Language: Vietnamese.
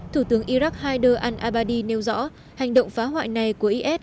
thủ tướng iraq haider al abadi nêu rõ hành động phá hoại này của is